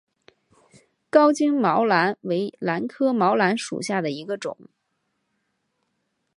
高茎毛兰为兰科毛兰属下的一个种。